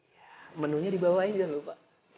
ya menunya di bawah aja lho pak